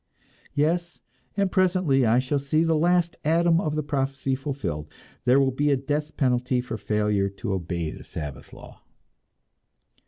Yes, and presently I shall see the last atom of the prophecy fulfilled there will be a death penalty for failure to obey the Sabbath law!